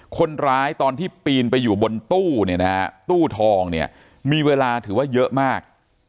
คนร้ายตอนที่ปีนไปอยู่บนตู้ทองมีเวลาถือว่าเยอะมาก